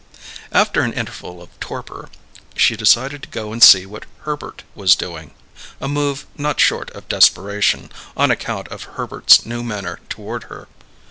After an interval of torpor, she decided to go and see what Herbert was doing a move not short of desperation, on account of Herbert's new manner toward her.